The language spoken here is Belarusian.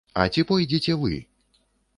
А ці пойдзеце вы?